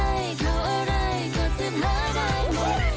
เข้าอะไรเข้าอะไรก็สึกหาใจหมด